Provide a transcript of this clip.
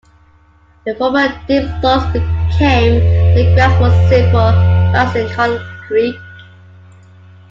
The former diphthongs became digraphs for simple vowels in Koine Greek.